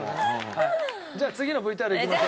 じゃあ次のＶＴＲいきましょうか。